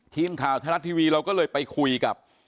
ทีมข่าวไทยรัฐทีวีเราก็เลยไปคุยกับ